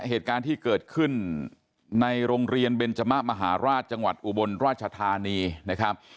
เหตุการณ์ที่เกิดขึ้นในโรงเรียนเบนจมะมหาราชจังหวัดอุบลราชธานีนะครับ